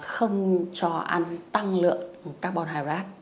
không cho ăn tăng lượng carbon hydrate